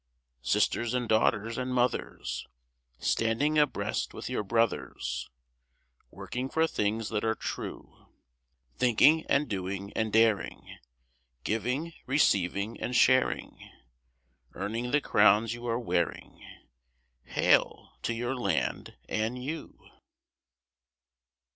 Sisters and daughters and mothers, Standing abreast with your brothers, Working for things that are true; Thinking and doing and daring, Giving, receiving, and sharing, Earning the crowns you are wearing— Hail to your land and you!